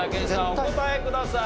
お答えください。